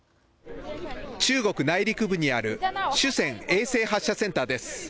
中国内陸部にある酒泉衛星発射センターです。